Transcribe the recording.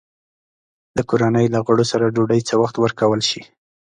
د کورنۍ له غړو سره ډوډۍ ته وخت ورکول شي؟